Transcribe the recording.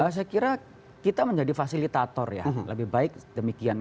saya kira kita menjadi fasilitator ya lebih baik demikian